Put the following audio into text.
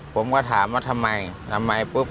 ผมก็ถามว่าทำไม